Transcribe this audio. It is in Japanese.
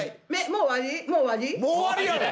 もう終わりや！